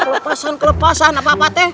kelepasan kelepasan apa apa teh